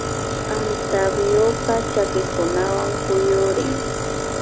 Antapyuka chakikunawan kuyurin